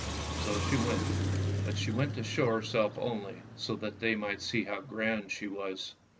" So she went, but she went to show herself only, so that they might see how grand she was.